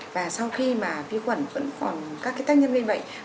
và sau khi mà vi khuẩn vẫn còn các cái tác nhân gây bệnh